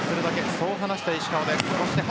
そう話した石川です。